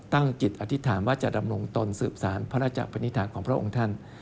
ตั้งจิตอธิษฐานว่าจะดำรงตนสืบสารพระราชปนิษฐานของพระองค์ท่าน